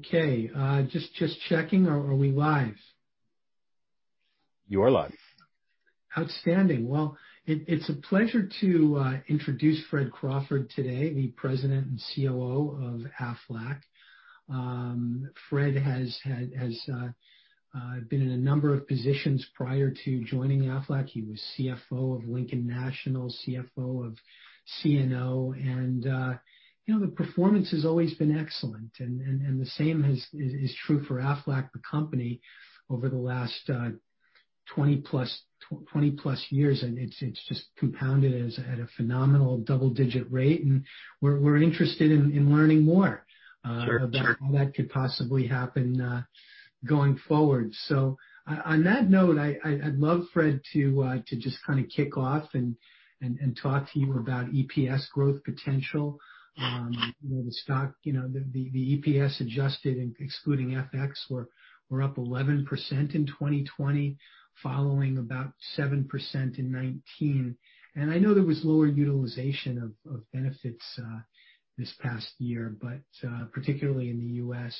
Okay. Just checking. Are we live? You are live. Outstanding. It's a pleasure to introduce Fred Crawford today, the President and COO of Aflac. Fred has been in a number of positions prior to joining Aflac. He was CFO of Lincoln National, CFO of CNO, and the performance has always been excellent, and the same is true for Aflac, the company, over the last 20-plus years, and it's just compounded at a phenomenal double-digit rate, and we're interested in learning more- Sure about how that could possibly happen going forward. On that note, I'd love Fred to just kind of kick off and talk to you about EPS growth potential. The EPS adjusted and excluding FX were up 11% in 2020, following about 7% in 2019. I know there was lower utilization of benefits this past year, particularly in the U.S.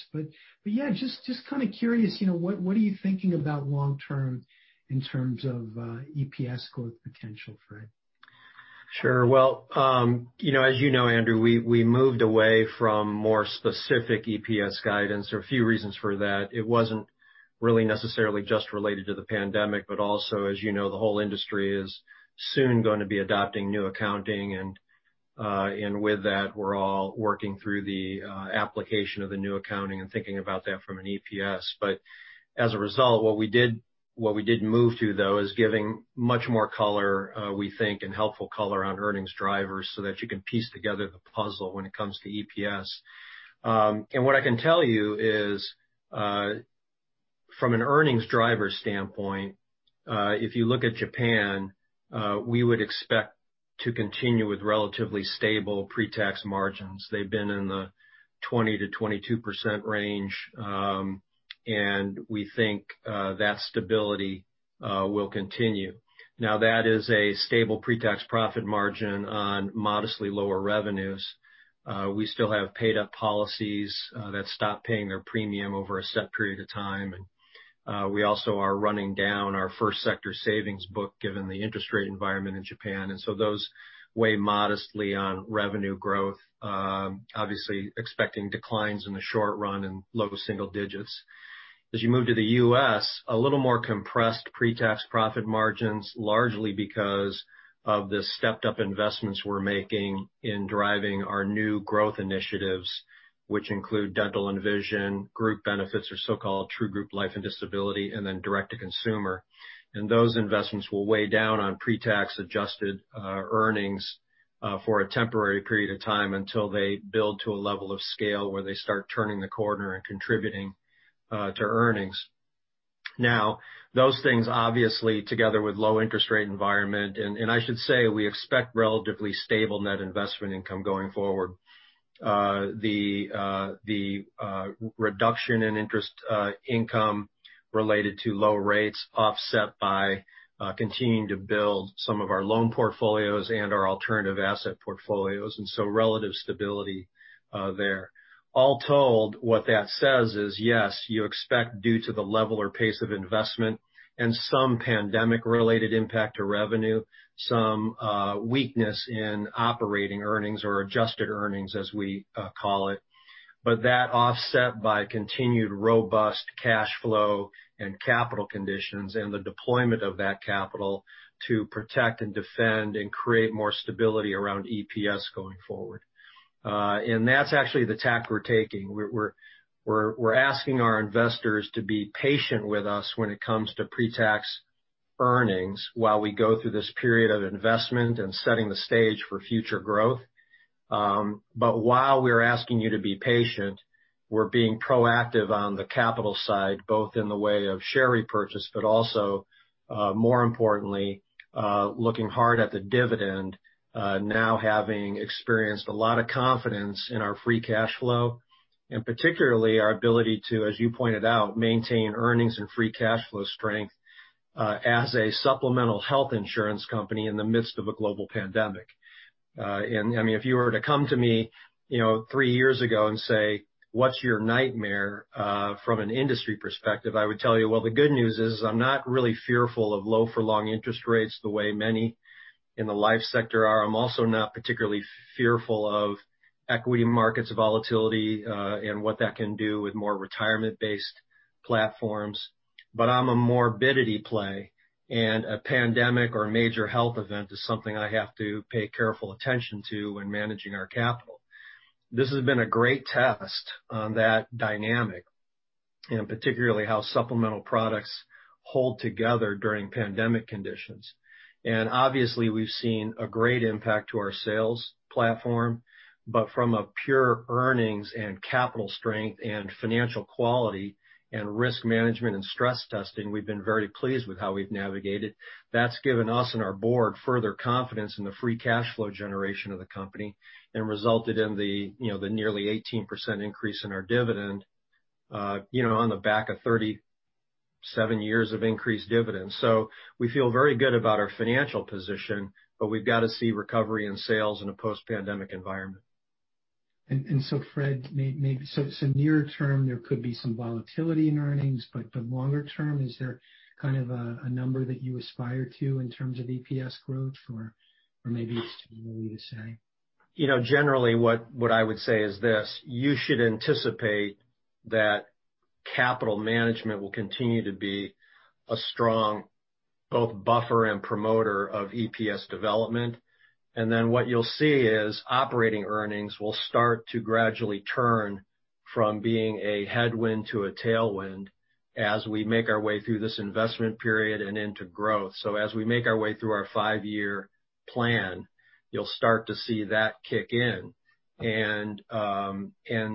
Yeah, just kind of curious, what are you thinking about long term in terms of EPS growth potential, Fred? Sure. Well, as you know, Andrew, we moved away from more specific EPS guidance for a few reasons for that. It wasn't really necessarily just related to the pandemic, also, as you know, the whole industry is soon going to be adopting new accounting, and with that, we're all working through the application of the new accounting and thinking about that from an EPS. As a result, what we did move to, though, is giving much more color, we think, and helpful color on earnings drivers so that you can piece together the puzzle when it comes to EPS. What I can tell you is, from an earnings driver standpoint, if you look at Japan, we would expect to continue with relatively stable pre-tax margins. They've been in the 20%-22% range, and we think that stability will continue. That is a stable pre-tax profit margin on modestly lower revenues. We still have paid-up policies that stop paying their premium over a set period of time. We also are running down our first sector savings book, given the interest rate environment in Japan. Those weigh modestly on revenue growth, obviously expecting declines in the short run in low single digits. As you move to the U.S., a little more compressed pre-tax profit margins, largely because of the stepped-up investments we're making in driving our new growth initiatives, which include Dental and Vision, group benefits or so-called true Group Life and Disability, and then direct-to-consumer. Those investments will weigh down on pre-tax adjusted earnings for a temporary period of time until they build to a level of scale where they start turning the corner and contributing to earnings. Those things obviously, together with low interest rate environment, I should say, we expect relatively stable net investment income going forward. The reduction in interest income related to low rates offset by continuing to build some of our loan portfolios and our alternative asset portfolios. Relative stability there. All told, what that says is, yes, you expect due to the level or pace of investment and some pandemic-related impact to revenue, some weakness in operating earnings or adjusted earnings, as we call it. That offset by continued robust cash flow and capital conditions and the deployment of that capital to protect and defend and create more stability around EPS going forward. That's actually the tack we're taking. We're asking our investors to be patient with us when it comes to pre-tax earnings while we go through this period of investment and setting the stage for future growth. While we're asking you to be patient, we're being proactive on the capital side, both in the way of share repurchase, but also, more importantly, looking hard at the dividend, now having experienced a lot of confidence in our free cash flow, particularly our ability to, as you pointed out, maintain earnings and free cash flow strength, as a supplemental health insurance company in the midst of a global pandemic. If you were to come to me three years ago and say, "What's your nightmare from an industry perspective?" I would tell you, well, the good news is I'm not really fearful of low for long interest rates the way many in the life sector are. I'm also not particularly fearful of equity markets volatility, and what that can do with more retirement-based platforms. But I'm a morbidity play, and a pandemic or a major health event is something I have to pay careful attention to when managing our capital. This has been a great test on that dynamic, and particularly how supplemental products hold together during pandemic conditions. Obviously, we've seen a great impact to our sales platform, but from a pure earnings and capital strength and financial quality and risk management and stress testing, we've been very pleased with how we've navigated. That's given us and our board further confidence in the free cash flow generation of the company and resulted in the nearly 18% increase in our dividend on the back of 37 years of increased dividends. We feel very good about our financial position, but we've got to see recovery in sales in a post-pandemic environment. Fred, near term, there could be some volatility in earnings, but longer term, is there kind of a number that you aspire to in terms of EPS growth, or maybe it's too early to say? Generally what I would say is this, you should anticipate that capital management will continue to be a strong both buffer and promoter of EPS development. What you'll see is operating earnings will start to gradually turn from being a headwind to a tailwind as we make our way through this investment period and into growth. As we make our way through our five-year plan, you'll start to see that kick in.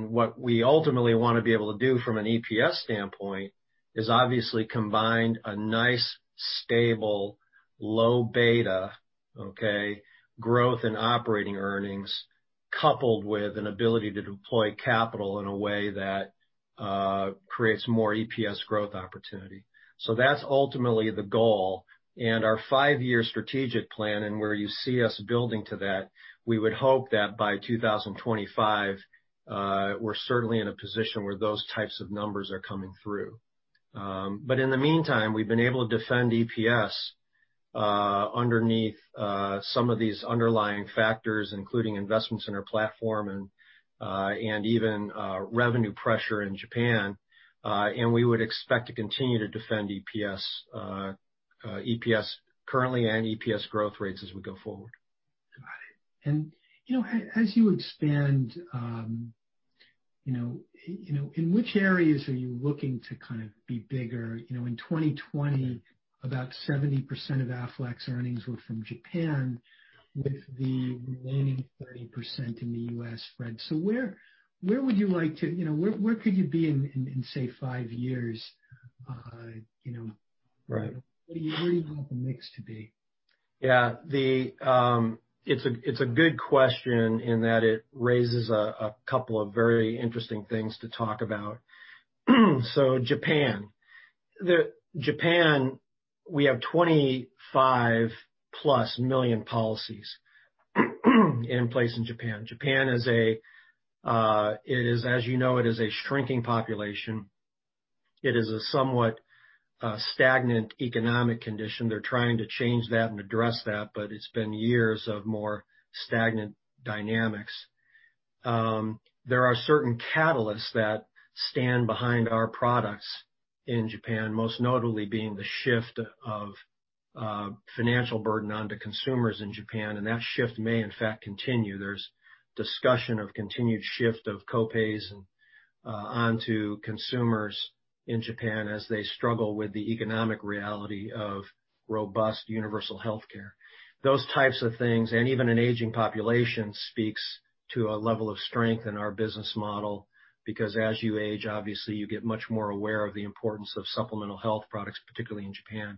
What we ultimately want to be able to do from an EPS standpoint is obviously combined a nice, stable, low beta, okay, growth in operating earnings coupled with an ability to deploy capital in a way that creates more EPS growth opportunity. That's ultimately the goal and our five-year strategic plan and where you see us building to that, we would hope that by 2025, we're certainly in a position where those types of numbers are coming through. In the meantime, we've been able to defend EPS underneath some of these underlying factors, including investments in our platform and even revenue pressure in Japan. We would expect to continue to defend EPS currently and EPS growth rates as we go forward. Got it. As you expand, in which areas are you looking to kind of be bigger? In 2020, about 70% of Aflac's earnings were from Japan, with the remaining 30% in the U.S., Fred. Where could you be in, say, five years? Right. Where do you want the mix to be? It's a good question in that it raises a couple of very interesting things to talk about. Japan. We have 25-plus million policies in place in Japan. Japan, as you know, it is a shrinking population. It is a somewhat stagnant economic condition. They're trying to change that and address that, but it's been years of more stagnant dynamics. There are certain catalysts that stand behind our products in Japan, most notably being the shift of financial burden onto consumers in Japan. That shift may in fact continue. There's discussion of continued shift of co-pays onto consumers in Japan as they struggle with the economic reality of robust universal healthcare. Those types of things, even an aging population speaks to a level of strength in our business model because as you age, obviously you get much more aware of the importance of supplemental health products, particularly in Japan.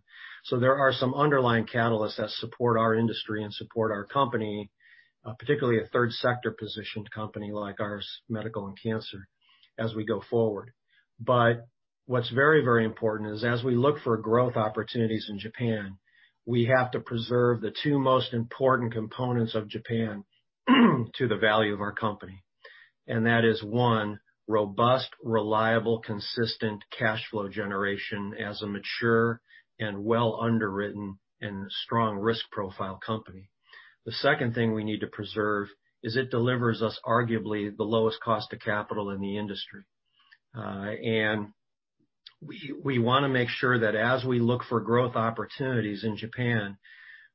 There are some underlying catalysts that support our industry and support our company, particularly a third sector positioned company like ours, medical and cancer, as we go forward. What's very important is as we look for growth opportunities in Japan, we have to preserve the two most important components of Japan to the value of our company. That is, one, robust, reliable, consistent cash flow generation as a mature and well underwritten and strong risk profile company. The second thing we need to preserve is it delivers us arguably the lowest cost of capital in the industry. We want to make sure that as we look for growth opportunities in Japan,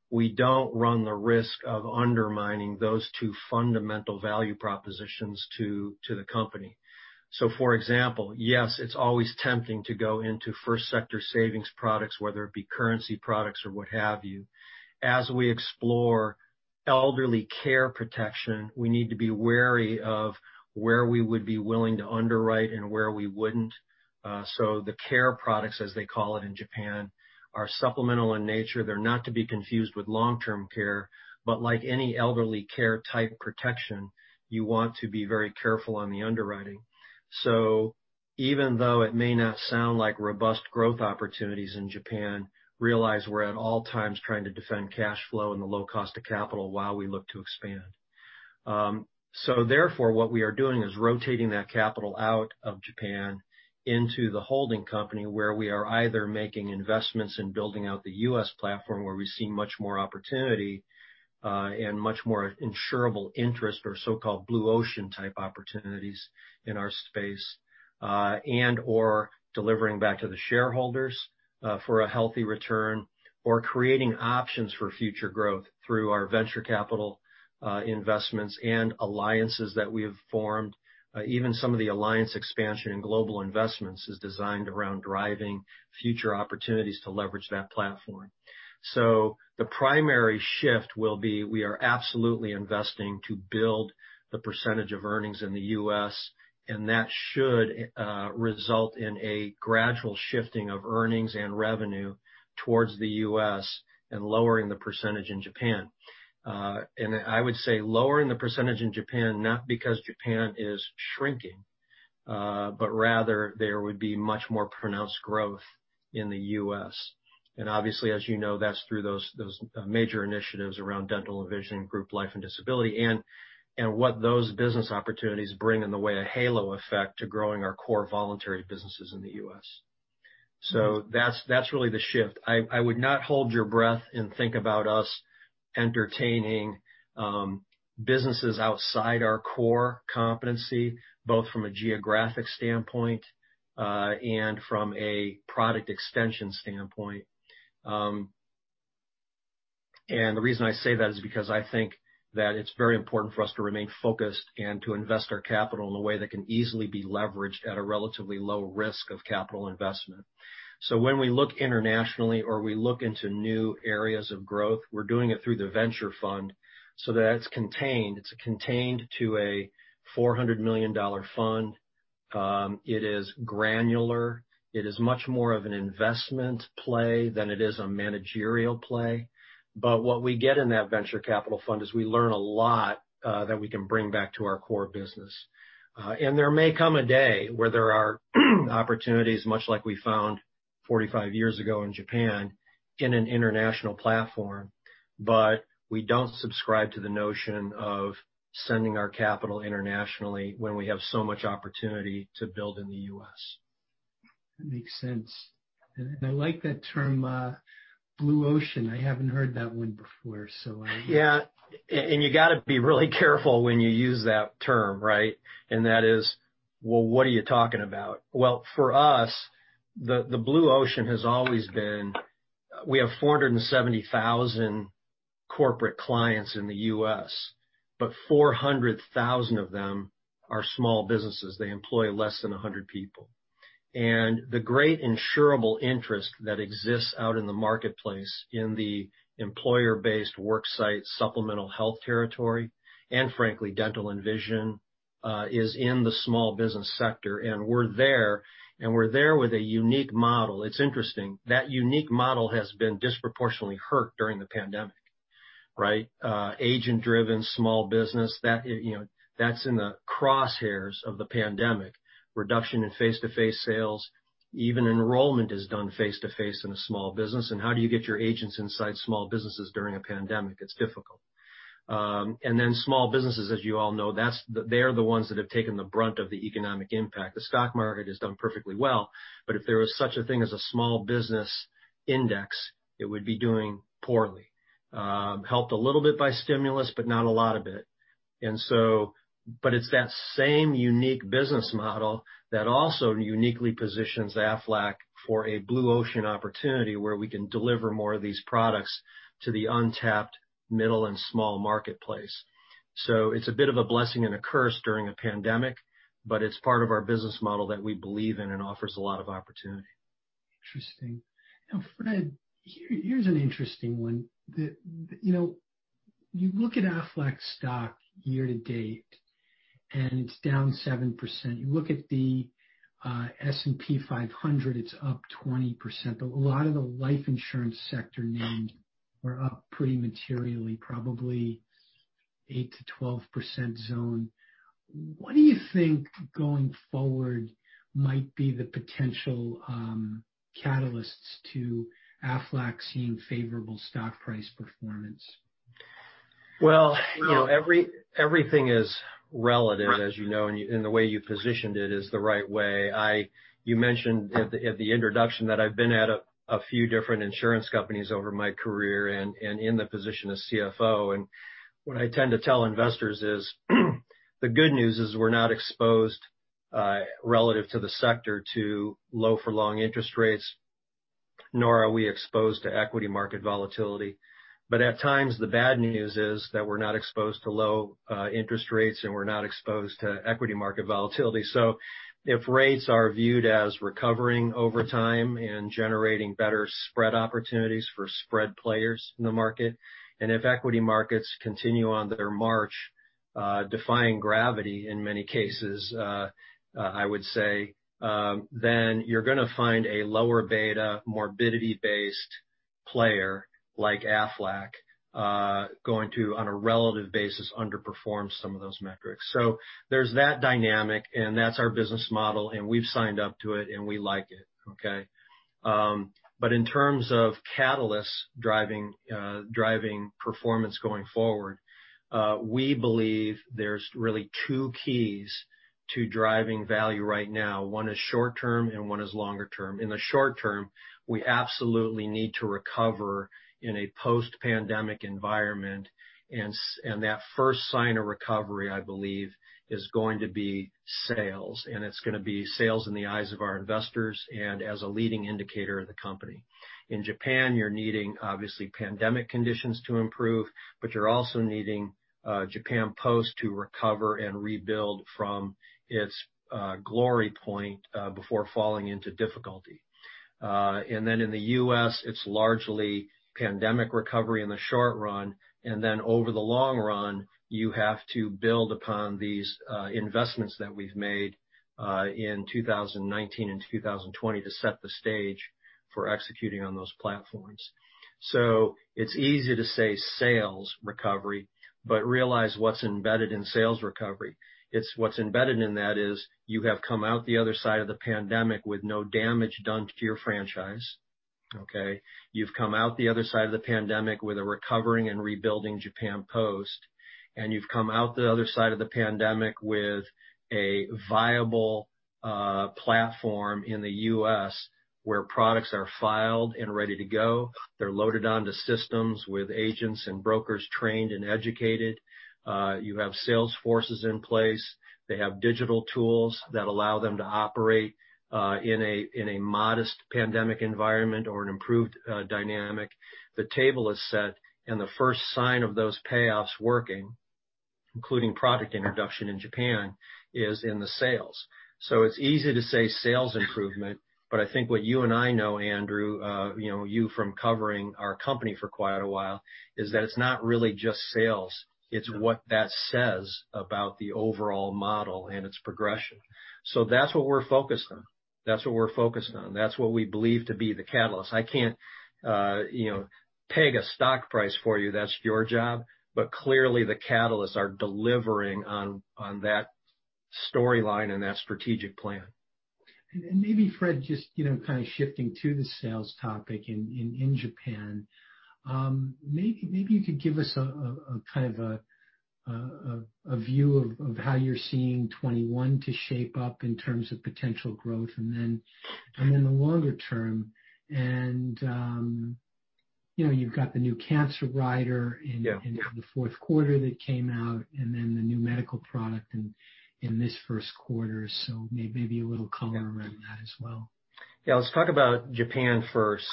we don't run the risk of undermining those two fundamental value propositions to the company. For example, yes, it's always tempting to go into first sector savings products, whether it be currency products or what have you. As we explore elderly care protection, we need to be wary of where we would be willing to underwrite and where we wouldn't. The care products, as they call it in Japan, are supplemental in nature. They're not to be confused with long-term care, but like any elderly care type protection, you want to be very careful on the underwriting. Even though it may not sound like robust growth opportunities in Japan, realize we're at all times trying to defend cash flow and the low cost of capital while we look to expand. Therefore, what we are doing is rotating that capital out of Japan into the holding company where we are either making investments in building out the U.S. platform where we see much more opportunity, and much more insurable interest or so-called blue ocean type opportunities in our space, and/or delivering back to the shareholders for a healthy return, or creating options for future growth through our venture capital investments and alliances that we have formed. Even some of the alliance expansion and global investments is designed around driving future opportunities to leverage that platform. The primary shift will be we are absolutely investing to build the percentage of earnings in the U.S. and that should result in a gradual shifting of earnings and revenue towards the U.S. and lowering the percentage in Japan. I would say lowering the percentage in Japan, not because Japan is shrinking. Rather, there would be much more pronounced growth in the U.S. Obviously, as you know, that's through those major initiatives around dental and vision, Group Life and Disability, and what those business opportunities bring in the way of halo effect to growing our core voluntary businesses in the U.S. That's really the shift. I would not hold your breath and think about us entertaining businesses outside our core competency, both from a geographic standpoint, and from a product extension standpoint. The reason I say that is because I think that it's very important for us to remain focused and to invest our capital in a way that can easily be leveraged at a relatively low risk of capital investment. When we look internationally or we look into new areas of growth, we're doing it through the venture fund so that it's contained to a $400 million fund. It is granular. It is much more of an investment play than it is a managerial play. What we get in that venture capital fund is we learn a lot that we can bring back to our core business. There may come a day where there are opportunities, much like we found 45 years ago in Japan, in an international platform. We don't subscribe to the notion of sending our capital internationally when we have so much opportunity to build in the U.S. That makes sense. I like that term, blue ocean. I haven't heard that one before, so. You got to be really careful when you use that term, right? That is, well, what are you talking about? For us, the blue ocean has always been, we have 470,000 corporate clients in the U.S., 400,000 of them are small businesses. They employ less than 100 people. The great insurable interest that exists out in the marketplace in the employer-based work site, supplemental health territory, and frankly, dental and vision, is in the small business sector. We're there, and we're there with a unique model. It's interesting. That unique model has been disproportionately hurt during the pandemic. Right? Agent-driven small business, that's in the crosshairs of the pandemic. Reduction in face-to-face sales. Even enrollment is done face-to-face in a small business, how do you get your agents inside small businesses during a pandemic? It's difficult. Small businesses, as you all know, they're the ones that have taken the brunt of the economic impact. The stock market has done perfectly well, if there was such a thing as a small business index, it would be doing poorly. Helped a little bit by stimulus, not a lot of it. It's that same unique business model that also uniquely positions Aflac for a blue ocean opportunity where we can deliver more of these products to the untapped middle and small marketplace. It's a bit of a blessing and a curse during a pandemic, it's part of our business model that we believe in and offers a lot of opportunity. Interesting. Fred, here's an interesting one. You look at Aflac stock year to date, and it's down 7%. You look at the S&P 500, it's up 20%, but a lot of the life insurance sector names were up pretty materially, probably 8%-12% zone. What do you think, going forward, might be the potential catalysts to Aflac seeing favorable stock price performance? Well, everything is relative, as you know, and the way you positioned it is the right way. You mentioned at the introduction that I've been at a few different insurance companies over my career and in the position of CFO. What I tend to tell investors is, the good news is we're not exposed, relative to the sector, to low for long interest rates, nor are we exposed to equity market volatility. At times, the bad news is that we're not exposed to low interest rates, and we're not exposed to equity market volatility. If rates are viewed as recovering over time and generating better spread opportunities for spread players in the market, and if equity markets continue on their march, defying gravity in many cases, I would say, then you're going to find a low beta morbidity-based player, like Aflac, going to, on a relative basis, underperform some of those metrics. There's that dynamic, and that's our business model, and we've signed up to it, and we like it. Okay? In terms of catalysts driving performance going forward, we believe there's really two keys to driving value right now. One is short-term and one is longer-term. In the short term, we absolutely need to recover in a post-pandemic environment. That first sign of recovery, I believe, is going to be sales, and it's going to be sales in the eyes of our investors and as a leading indicator of the company. In Japan, you're needing, obviously, pandemic conditions to improve, but you're also needing Japan Post to recover and rebuild from its glory point, before falling into difficulty. In the U.S., it's largely pandemic recovery in the short run, and then over the long run, you have to build upon these investments that we've made in 2019 and 2020 to set the stage for executing on those platforms. It's easy to say sales recovery, but realize what's embedded in sales recovery. What's embedded in that is you have come out the other side of the pandemic with no damage done to your franchise. Okay. You've come out the other side of the pandemic with a recovering and rebuilding Japan Post, you've come out the other side of the pandemic with a viable platform in the U.S. where products are filed and ready to go. They're loaded onto systems with agents and brokers trained and educated. You have sales forces in place. They have digital tools that allow them to operate in a modest pandemic environment or an improved dynamic. The table is set, the first sign of those payoffs working, including product introduction in Japan, is in the sales. It's easy to say sales improvement, but I think what you and I know, Andrew, you from covering our company for quite a while, is that it's not really just sales. It's what that says about the overall model and its progression. That's what we're focused on. That's what we believe to be the catalyst. I can't peg a stock price for you. That's your job. Clearly, the catalysts are delivering on that storyline and that strategic plan. Maybe, Fred, just kind of shifting to the sales topic in Japan, maybe you could give us a view of how you're seeing 2021 to shape up in terms of potential growth, then the longer term. You've got the new cancer rider in- Yeah the fourth quarter that came out, the new medical product in this first quarter, maybe a little color around that as well. Let's talk about Japan first.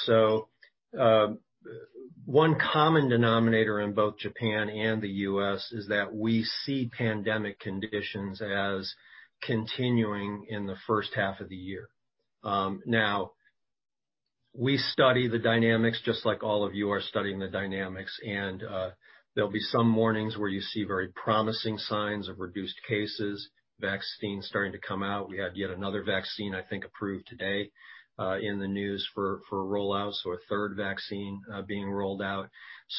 One common denominator in both Japan and the U.S. is that we see pandemic conditions as continuing in the first half of the year. We study the dynamics just like all of you are studying the dynamics, there'll be some mornings where you see very promising signs of reduced cases, vaccines starting to come out. We had yet another vaccine, I think, approved today in the news for rollouts or a third vaccine being rolled out.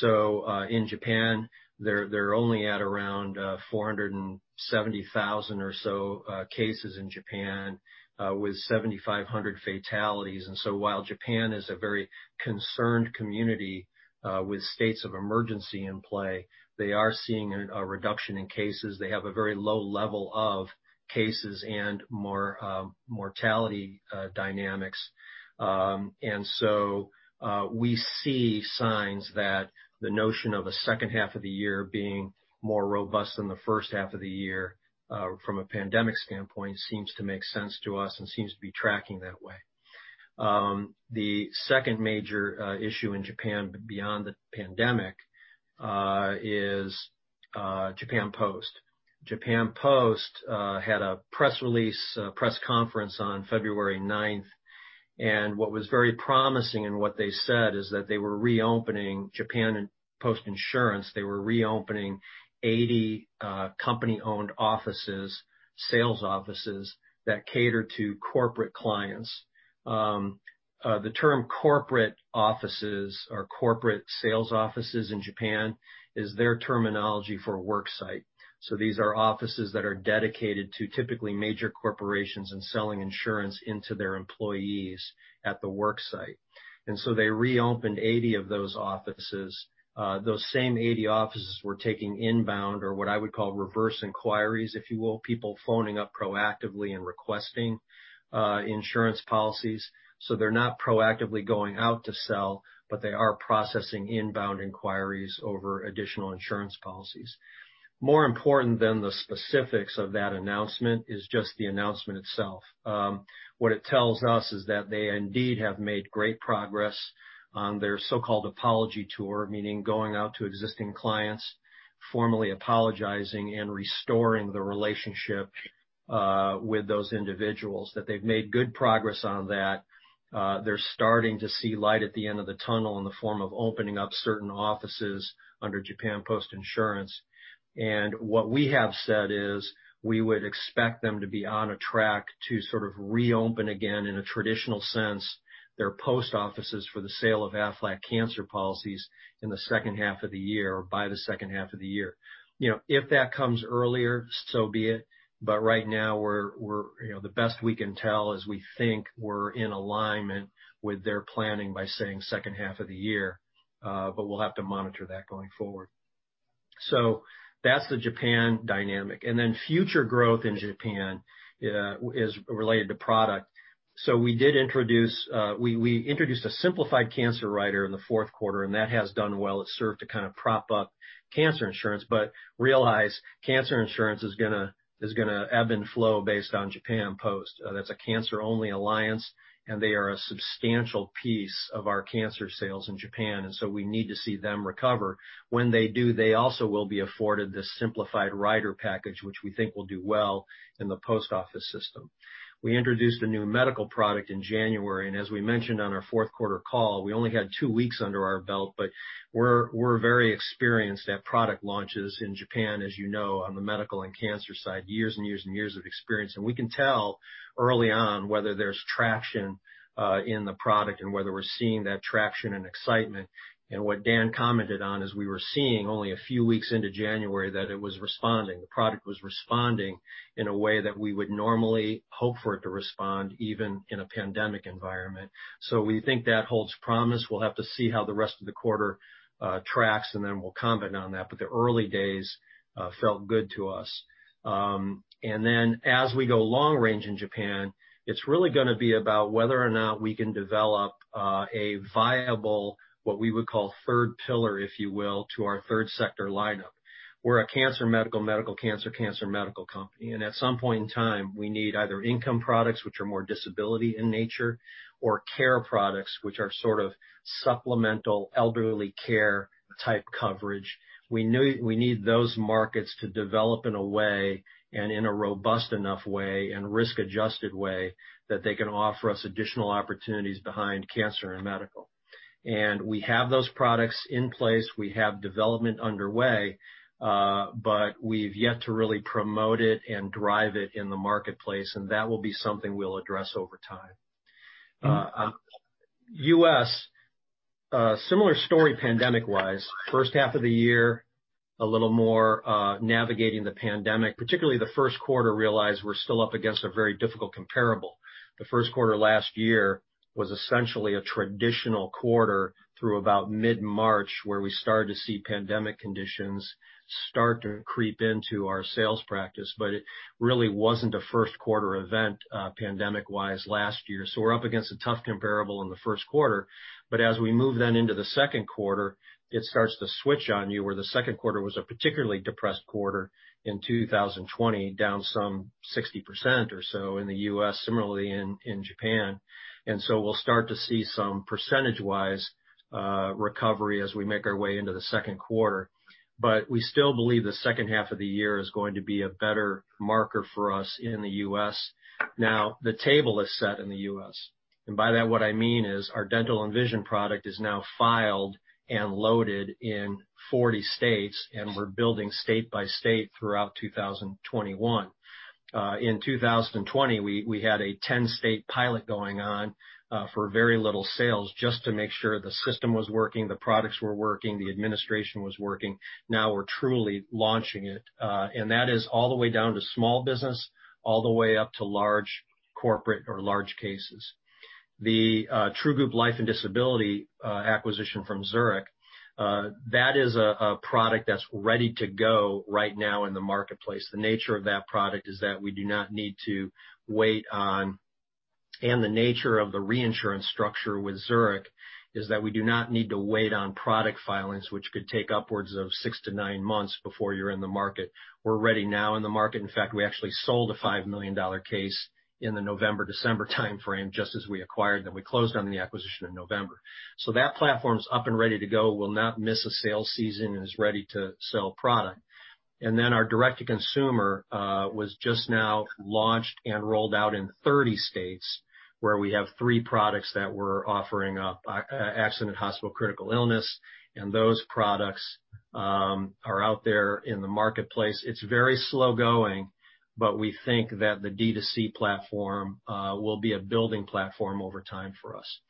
In Japan, they're only at around 470,000 or so cases in Japan, with 7,500 fatalities. While Japan is a very concerned community with states of emergency in play, they are seeing a reduction in cases. They have a very low level of cases and mortality dynamics. We see signs that the notion of a second half of the year being more robust than the first half of the year from a pandemic standpoint seems to make sense to us and seems to be tracking that way. The second major issue in Japan beyond the pandemic is Japan Post. Japan Post had a press conference on February 9th, what was very promising in what they said is that they were reopening Japan Post Insurance. They were reopening 80 company-owned offices, sales offices that cater to corporate clients. The term corporate offices or corporate sales offices in Japan is their terminology for a work site. These are offices that are dedicated to typically major corporations and selling insurance into their employees at the work site. They reopened 80 of those offices. Those same 80 offices were taking inbound or what I would call reverse inquiries, if you will, people phoning up proactively and requesting insurance policies. They're not proactively going out to sell, but they are processing inbound inquiries over additional insurance policies. More important than the specifics of that announcement is just the announcement itself. What it tells us is that they indeed have made great progress on their so-called apology tour, meaning going out to existing clients, formally apologizing, and restoring the relationship with those individuals, that they've made good progress on that. They're starting to see light at the end of the tunnel in the form of opening up certain offices under Japan Post Insurance. What we have said is we would expect them to be on a track to sort of reopen again, in a traditional sense, their post offices for the sale of Aflac Cancer policies in the second half of the year or by the second half of the year. If that comes earlier, so be it. Right now, the best we can tell is we think we're in alignment with their planning by saying the second half of the year, but we'll have to monitor that going forward. That's the Japan dynamic. Future growth in Japan is related to product. We introduced a simplified cancer rider in the fourth quarter, and that has done well. It served to kind of prop up Cancer Insurance, but realize Cancer Insurance is going to ebb and flow based on Japan Post. That's a cancer-only alliance. They are a substantial piece of our cancer sales in Japan. We need to see them recover. When they do, they also will be afforded this simplified rider package, which we think will do well in the post office system. We introduced a new medical product in January. As we mentioned on our fourth quarter call, we only had two weeks under our belt. We're very experienced at product launches in Japan, as you know, on the medical and cancer side, years and years of experience. We can tell early on whether there's traction in the product and whether we're seeing that traction and excitement. What Dan commented on is we were seeing only a few weeks into January that it was responding. The product was responding in a way that we would normally hope for it to respond, even in a pandemic environment. We think that holds promise. We'll have to see how the rest of the quarter tracks. Then we'll comment on that. The early days felt good to us. As we go long range in Japan, it's really going to be about whether or not we can develop a viable, what we would call third pillar, if you will, to our third sector lineup. We're a cancer medical cancer medical company. At some point in time, we need either income products, which are more disability in nature, or care products, which are sort of supplemental elderly care type coverage. We need those markets to develop in a way, in a robust enough way, and risk-adjusted way that they can offer us additional opportunities behind cancer and medical. We have those products in place. We have development underway. We've yet to really promote it and drive it in the marketplace, and that will be something we'll address over time. U.S., similar story pandemic-wise. First half of the year, a little more navigating the pandemic, particularly the first quarter. Realize we're still up against a very difficult comparable. The first quarter last year was essentially a traditional quarter through about mid-March, where we started to see pandemic conditions start to creep into our sales practice. It really wasn't a first quarter event, pandemic-wise, last year. We're up against a tough comparable in the first quarter. As we move then into the second quarter, it starts to switch on you where the second quarter was a particularly depressed quarter in 2020, down some 60% or so in the U.S., similarly in Japan. We'll start to see some percentage-wise recovery as we make our way into the second quarter. We still believe the second half of the year is going to be a better marker for us in the U.S. Now, the table is set in the U.S. By that, what I mean is our dental and vision product is now filed and loaded in 40 states, and we're building state by state throughout 2021. In 2020, we had a 10-state pilot going on for very little sales just to make sure the system was working, the products were working, the administration was working. Now we're truly launching it. That is all the way down to small business, all the way up to large corporate or large cases. The Group Life and Disability acquisition from Zurich, that is a product that is ready to go right now in the marketplace. The nature of the reinsurance structure with Zurich is that we do not need to wait on product filings, which could take upwards of 6 to 9 months before you are in the market. We are ready now in the market. In fact, we actually sold a $5 million case in the November, December timeframe, just as we acquired them. We closed on the acquisition in November. That platform is up and ready to go, will not miss a sales season, and is ready to sell product. Our direct-to-consumer was just now launched and rolled out in 30 states where we have three products that we are offering up, accident, hospital, critical illness, and those products are out there in the marketplace. It is very slow going, but we think that the D2C platform will be a building platform over time for us.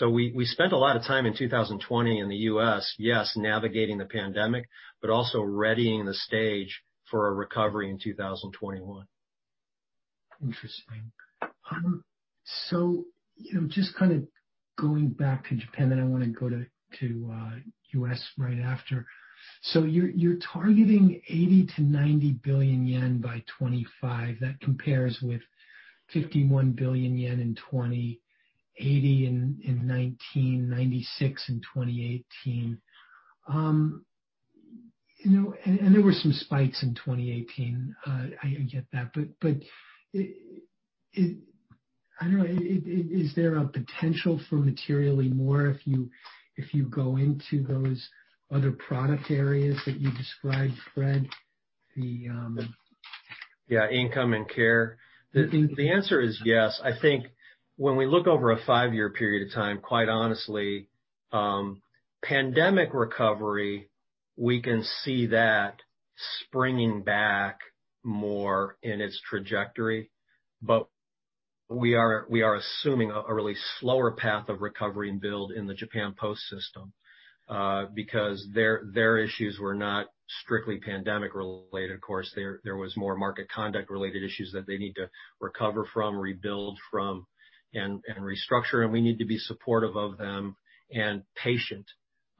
We spent a lot of time in 2020 in the U.S., yes, navigating the pandemic, but also readying the stage for a recovery in 2021. Interesting. Just kind of going back to Japan, then I want to go to U.S. right after. You are targeting 80 billion to 90 billion yen by 2025. That compares with 51 billion yen in 2020, 80 billion in 2019, 96 billion in 2018. There were some spikes in 2018, I get that. Is there a potential for materially more if you go into those other product areas that you described, Fred? The- Yeah, income and care. You think The answer is yes. I think when we look over a five-year period of time, quite honestly, pandemic recovery, we can see that springing back more in its trajectory. We are assuming a really slower path of recovery and build in the Japan Post system, because their issues were not strictly pandemic related. Of course, there was more market conduct related issues that they need to recover from, rebuild from, and restructure. We need to be supportive of them and patient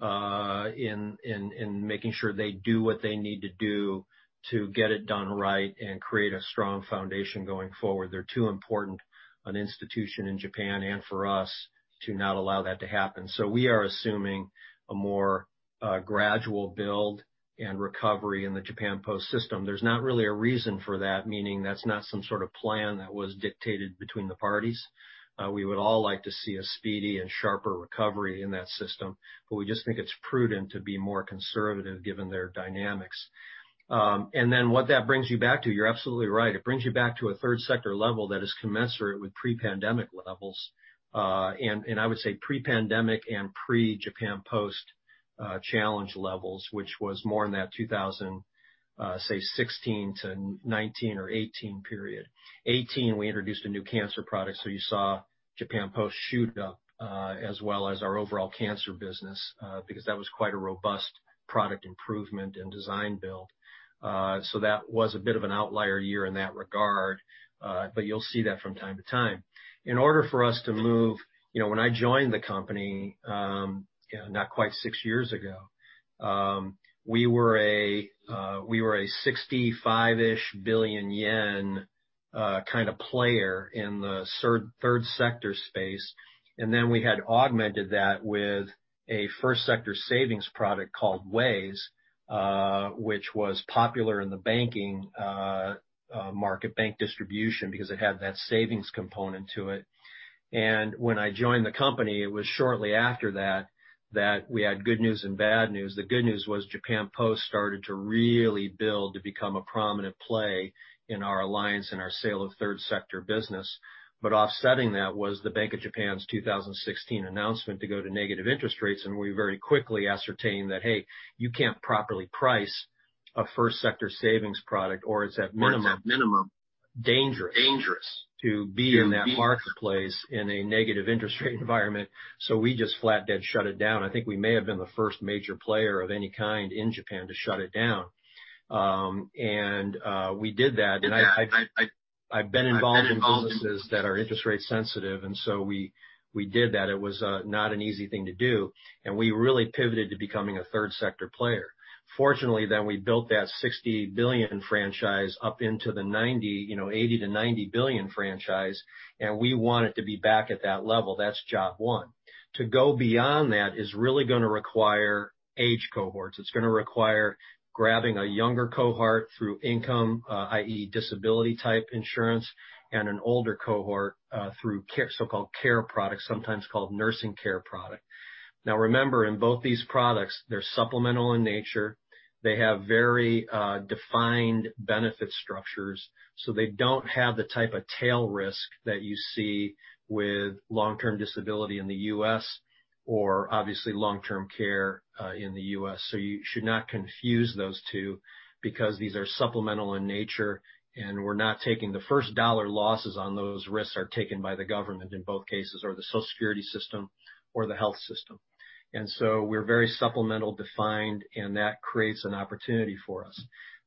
in making sure they do what they need to do to get it done right and create a strong foundation going forward. They're too important an institution in Japan and for us to not allow that to happen. We are assuming a more gradual build and recovery in the Japan Post system. There's not really a reason for that, meaning that's not some sort of plan that was dictated between the parties. We would all like to see a speedy and sharper recovery in that system, but we just think it's prudent to be more conservative given their dynamics. What that brings you back to, you're absolutely right, it brings you back to a third sector level that is commensurate with pre-pandemic levels. I would say pre-pandemic and pre-Japan Post challenge levels, which was more in that 2016 to 2019 or 2018 period. 2018, we introduced a new Cancer product, so you saw Japan Post shoot up, as well as our overall Cancer business, because that was quite a robust product improvement and design build. That was a bit of an outlier year in that regard, but you'll see that from time to time. When I joined the company, not quite six years ago, we were a 65 billion yen kind of player in the third sector space. We had augmented that with a first sector savings product called WAYS, which was popular in the banking market, bank distribution, because it had that savings component to it. When I joined the company, it was shortly after that we had good news and bad news. The good news was Japan Post started to really build to become a prominent play in our alliance and our sale of third sector business. Offsetting that was the Bank of Japan's 2016 announcement to go to negative interest rates, and we very quickly ascertained that, hey, you can't properly price a first sector savings product, or it's at minimum. Minimum dangerous- Dangerous We just flat dead shut it down. I think we may have been the first major player of any kind in Japan to shut it down. We did that. Did that. I've been involved in businesses that are interest rate sensitive. We did that. It was not an easy thing to do. We really pivoted to becoming a third sector player. We built that 60 billion franchise up into the 80 billion-90 billion franchise. We want it to be back at that level. That's job one. To go beyond that is really going to require age cohorts. It's going to require grabbing a younger cohort through income, i.e., disability type insurance, and an older cohort through so-called care products, sometimes called Long-Term Care Insurance. Remember, in both these products, they're supplemental in nature. They have very defined benefit structures. They don't have the type of tail risk that you see with long-term disability in the U.S., or obviously long-term care in the U.S. You should not confuse those two, because these are supplemental in nature. We're not taking the first dollar losses on those. Risks are taken by the government in both cases, or the Social Security system or the health system. We're very supplemental defined. That creates an opportunity for us.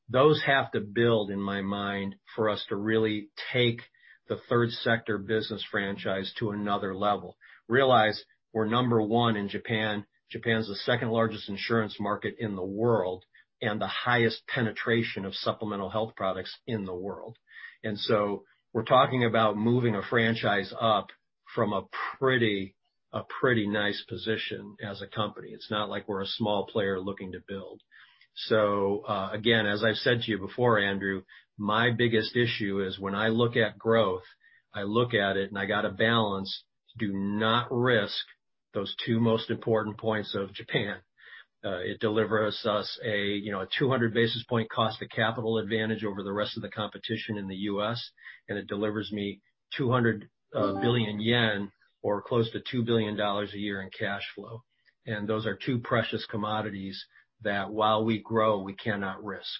Those have to build, in my mind, for us to really take the third sector business franchise to another level. Realize we're number one in Japan. Japan's the second largest insurance market in the world. The highest penetration of supplemental health products in the world. We're talking about moving a franchise up from a pretty nice position as a company. It's not like we're a small player looking to build. Again, as I've said to you before, Andrew, my biggest issue is when I look at growth, I look at it and I got to balance, do not risk those two most important points of Japan. It delivers us a 200 basis point cost to capital advantage over the rest of the competition in the U.S., and it delivers me 200 billion yen or close to $2 billion a year in cash flow. Those are two precious commodities that while we grow, we cannot risk.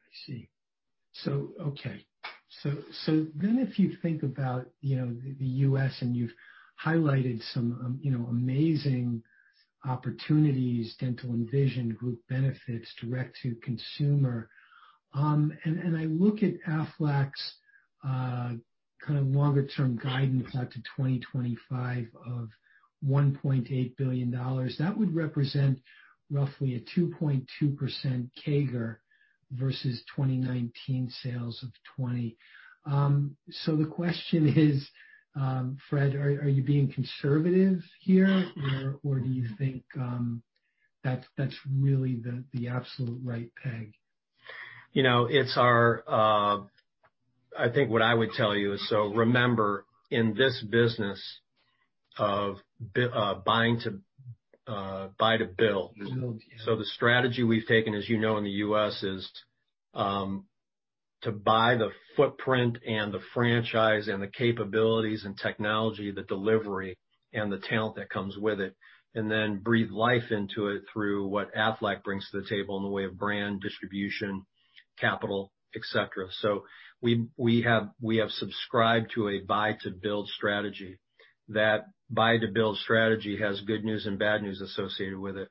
I see. Okay. If you think about the U.S., and you've highlighted some amazing opportunities, dental and vision group benefits, direct-to-consumer. I look at Aflac's kind of longer term guidance out to 2025 of $1.8 billion. That would represent roughly a 2.2% CAGR versus 2019 sales of $20 billion. The question is, Fred, are you being conservative here? Do you think that's really the absolute right peg? I think what I would tell you is, remember, in this business of buy and build. Build, yeah. The strategy we've taken, as you know, in the U.S., is to buy the footprint and the franchise and the capabilities and technology, the delivery, and the talent that comes with it, and then breathe life into it through what Aflac brings to the table in the way of brand, distribution, capital, et cetera. We have subscribed to a buy and build strategy. That buy and build strategy has good news and bad news associated with it.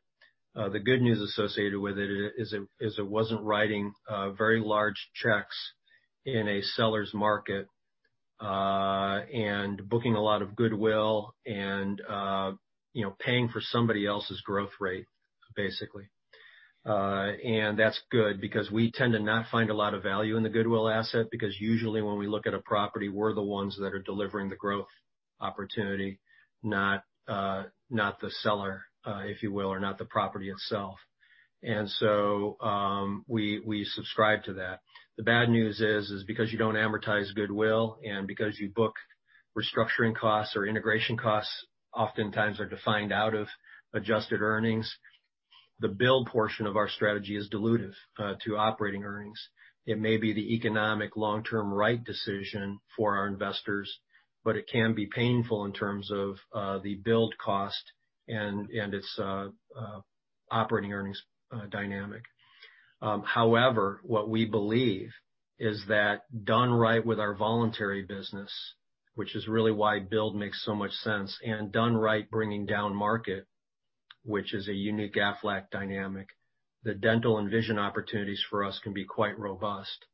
The good news associated with it is it wasn't writing very large checks in a seller's market, and booking a lot of goodwill and paying for somebody else's growth rate, basically. That's good because we tend to not find a lot of value in the goodwill asset, because usually when we look at a property, we're the ones that are delivering the growth opportunity, not the seller, if you will, or not the property itself. We subscribe to that. The bad news is, because you don't amortize goodwill and because you book restructuring costs or integration costs, oftentimes are defined out of adjusted earnings, the build portion of our strategy is dilutive to operating earnings. It may be the economic long-term right decision for our investors, but it can be painful in terms of the build cost and its operating earnings dynamic. However, what we believe is that done right with our voluntary business, which is really why build makes so much sense, and done right bringing down market, which is a unique Aflac dynamic, the dental and vision opportunities for us can be quite robust,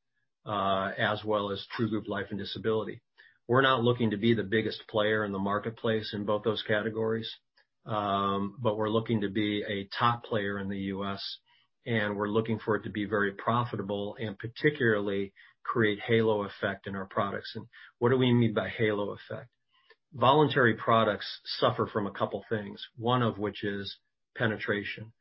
as well as True Group Life and Disability. We're not looking to be the biggest player in the marketplace in both those categories, but we're looking to be a top player in the U.S., and we're looking for it to be very profitable and particularly create halo effect in our products. What do we mean by halo effect? Voluntary products suffer from a couple things, one of which is penetration.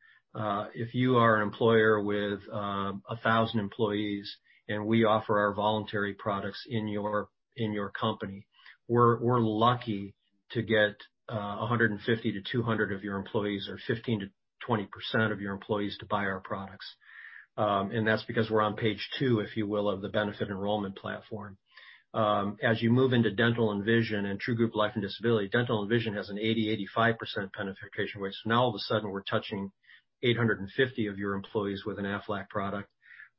If you are an employer with 1,000 employees and we offer our voluntary products in your company, we're lucky to get 150 to 200 of your employees, or 15%-20% of your employees to buy our products. That's because we're on page two, if you will, of the benefit enrollment platform. As you move into dental and vision and True Group Life and Disability, dental and vision has an 80%-85% penetration, which now all of a sudden, we're touching 850 of your employees with an Aflac product.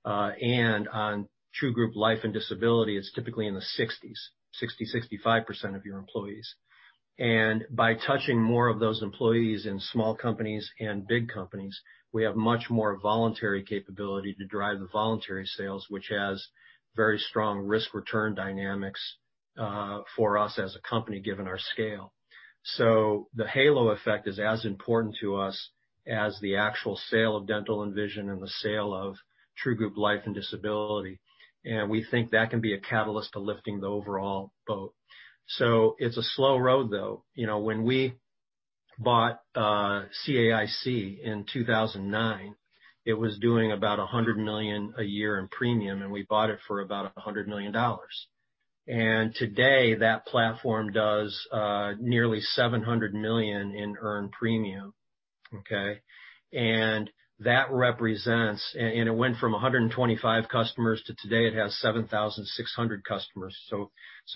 On True Group Life and Disability, it's typically in the 60s, 60%-65% of your employees. By touching more of those employees in small companies and big companies, we have much more voluntary capability to drive the voluntary sales, which has very strong risk-return dynamics for us as a company, given our scale. The halo effect is as important to us as the actual sale of Dental and Vision and the sale of True Group Life and Disability. We think that can be a catalyst to lifting the overall boat. It's a slow road, though. When we bought CAIC in 2009, it was doing about $100 million a year in premium, and we bought it for about $100 million. Today, that platform does nearly $700 million in earned premium. Okay? It went from 125 customers to today, it has 7,600 customers.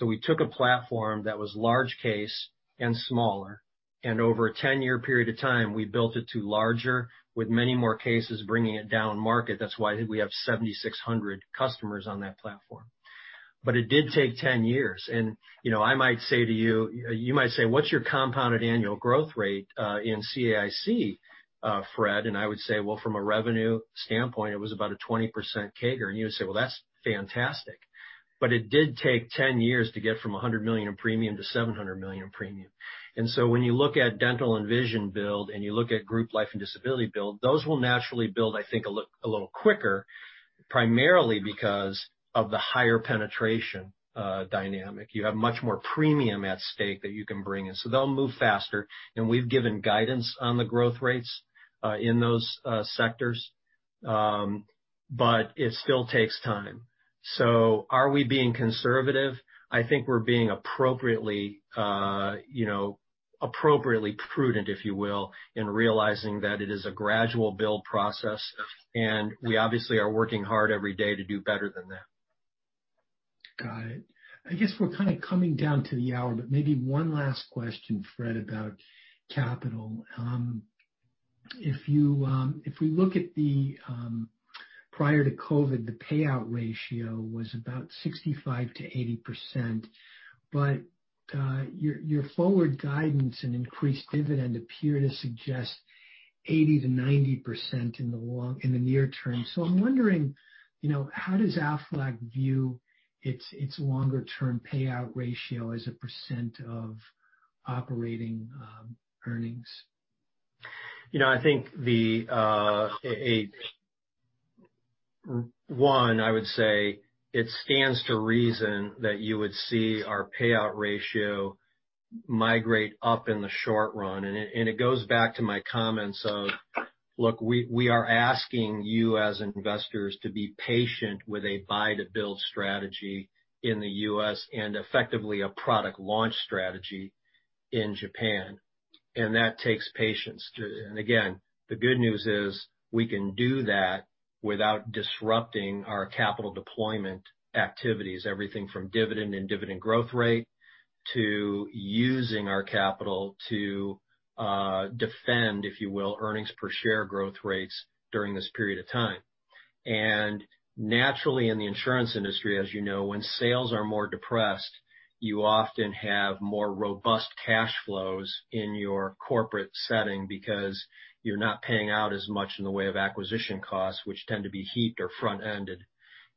We took a platform that was large case and smaller, and over a 10-year period of time, we built it to larger with many more cases, bringing it down market. That's why we have 7,600 customers on that platform. It did take 10 years. You might say, "What's your compounded annual growth rate in CAIC, Fred?" I would say, "Well, from a revenue standpoint, it was about a 20% CAGR." You would say, "Well, that's fantastic." It did take 10 years to get from $100 million in premium to $700 million in premium. When you look at Dental and Vision build, and you look at Group Life and Disability build, those will naturally build, I think, a little quicker, primarily because of the higher penetration dynamic. You have much more premium at stake that you can bring in. They'll move faster. We've given guidance on the growth rates in those sectors. It still takes time. Are we being conservative? I think we're being appropriately prudent, if you will, in realizing that it is a gradual build process, and we obviously are working hard every day to do better than that. Got it. I guess we're kind of coming down to the hour, maybe one last question, Fred, about capital. If we look at the, prior to COVID, the payout ratio was about 65%-80%, your forward guidance and increased dividend appear to suggest 80%-90% in the near term. I'm wondering, how does Aflac view its longer term payout ratio as a % of operating earnings? I think, I would say it stands to reason that you would see our payout ratio migrate up in the short run. It goes back to my comments of, look, we are asking you as investors to be patient with a buy and build strategy in the U.S. and effectively a product launch strategy in Japan, and that takes patience. Again, the good news is we can do that without disrupting our capital deployment activities, everything from dividend and dividend growth rate to using our capital to defend, if you will, earnings per share growth rates during this period of time. Naturally, in the insurance industry, as you know, when sales are more depressed, you often have more robust cash flows in your corporate setting because you're not paying out as much in the way of acquisition costs, which tend to be heaped or front-ended.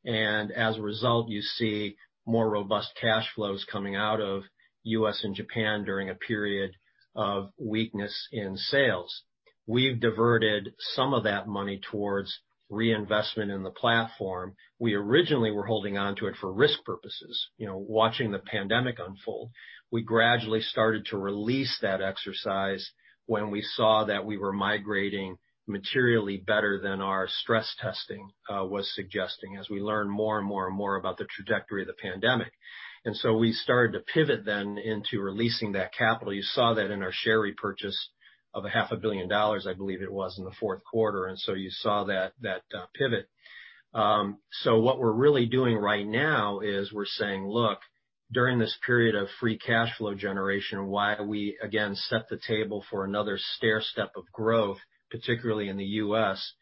As a result, you see more robust cash flows coming out of U.S. and Japan during a period of weakness in sales. We've diverted some of that money towards reinvestment in the platform. We originally were holding onto it for risk purposes. Watching the pandemic unfold, we gradually started to release that exercise when we saw that we were migrating materially better than our stress testing was suggesting, as we learn more and more about the trajectory of the pandemic. We started to pivot then into releasing that capital. You saw that in our share repurchase of half a billion dollars, I believe it was, in the fourth quarter. You saw that pivot. What we're really doing right now is we're saying, look, during this period of free cash flow generation, while we again set the table for another stairstep of growth, particularly in the U.S.,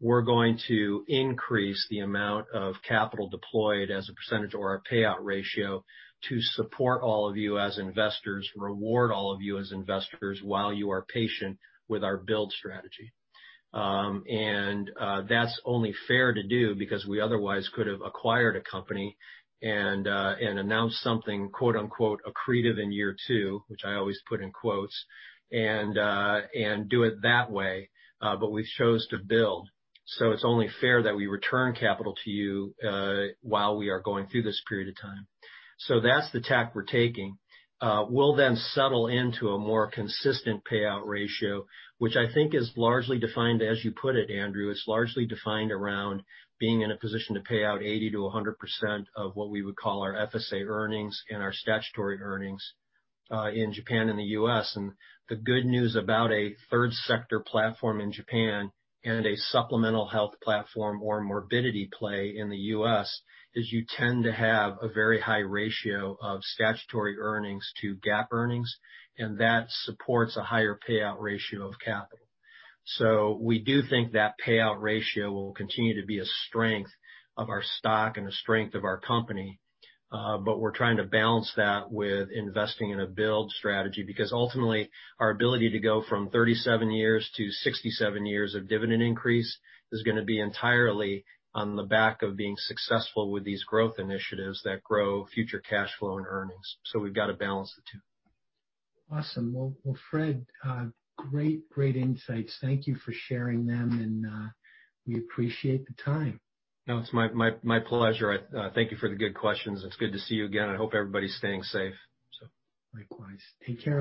we're going to increase the amount of capital deployed as a percentage or a payout ratio to support all of you as investors, reward all of you as investors while you are patient with our build strategy. That's only fair to do because we otherwise could have acquired a company and announced something, quote unquote, "accretive in year two," which I always put in quotes, and do it that way. We chose to build. It's only fair that we return capital to you while we are going through this period of time. That's the tack we're taking. We'll then settle into a more consistent payout ratio, which I think is largely defined as you put it, Andrew, it's largely defined around being in a position to pay out 80%-100% of what we would call our FSA earnings and our statutory earnings, in Japan and the U.S. The good news about a third sector platform in Japan and a supplemental health platform or morbidity play in the U.S. is you tend to have a very high ratio of statutory earnings to GAAP earnings, and that supports a higher payout ratio of capital. We do think that payout ratio will continue to be a strength of our stock and a strength of our company. We're trying to balance that with investing in a build strategy, because ultimately, our ability to go from 37 years to 67 years of dividend increase is going to be entirely on the back of being successful with these growth initiatives that grow future cash flow and earnings. We've got to balance the two. Awesome. Fred, great insights. Thank you for sharing them, and we appreciate the time. It's my pleasure. Thank you for the good questions. It's good to see you again. I hope everybody's staying safe. Likewise. Take care.